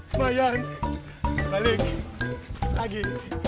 kumain balik lagi